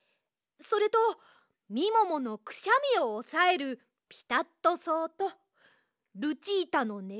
それとみもものくしゃみをおさえるピタットそうとルチータのね